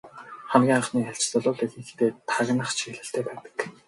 Хамгийн анхны айлчлал бол ихэнхдээ тагнах чиглэлтэй байдаг.